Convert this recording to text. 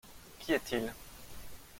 Qui est-il ?